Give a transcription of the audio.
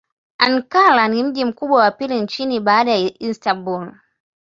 Ankara ni mji mkubwa wa pili nchini baada ya Istanbul.